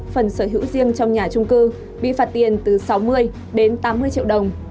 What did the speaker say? phần sở hữu riêng trong nhà trung cư bị phạt tiền từ sáu mươi đến tám mươi triệu đồng